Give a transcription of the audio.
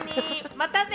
またね！